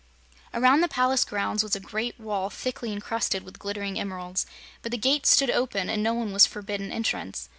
Around the palace grounds was a great wall, thickly encrusted with glittering emeralds, but the gates stood open and no one was forbidden entrance.